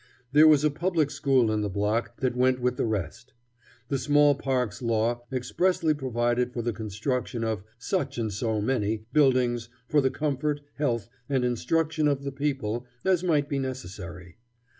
There was a public school in the block that went with the rest. The Small Parks Law expressly provided for the construction of "such and so many" buildings for the comfort, health, and "instruction" of the people, as might be necessary.